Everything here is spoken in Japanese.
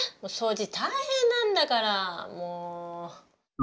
掃除大変なんだからもう。